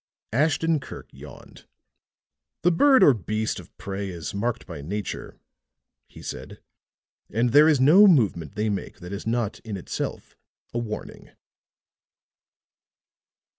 Ashton Kirk yawned. "The bird or beast of prey is marked by nature," he said. "And there is no movement they make that is not in itself a warning."